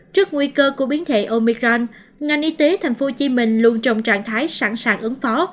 trước nguy cơ của biến thể omicran ngành y tế tp hcm luôn trong trạng thái sẵn sàng ứng phó